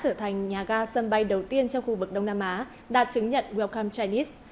ngoài qua nhà ga quốc tế đà nẵng đã trở thành nhà ga sân bay đầu tiên trong khu vực đông nam á đạt chứng nhận welcome chinese